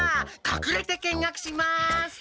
かくれて見学します！